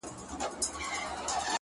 زلفي او باڼه اشــــــنـــــــــــا ـ